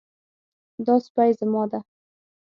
دا سپی زما ده